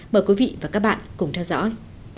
mời quý vị và các bạn cùng theo dõi